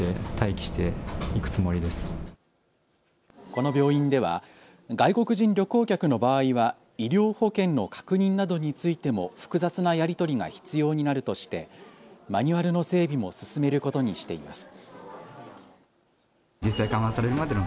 この病院では外国人旅行客の場合は医療保険の確認などについても複雑なやり取りが必要になるとしてマニュアルの整備も進めることにしています。